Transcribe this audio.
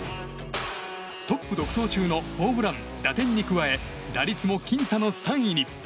トップ独走中のホームラン打点に加え打率も僅差の３位に。